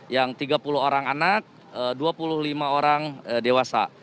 yang tiga puluh orang anak dua puluh lima orang dewasa